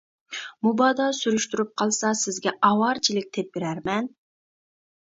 مۇبادا سۈرۈشتۈرۈپ قالسا سىزگە ئاۋارىچىلىك تېپىپ بېرەرمەن.